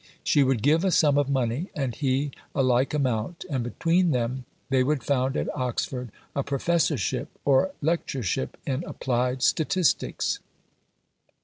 She would give a sum of money, and he a like amount, and between them they would found at Oxford a Professorship or Lectureship in Applied Statistics.